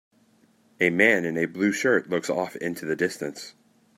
A man in a blue shirt looks off into the distance.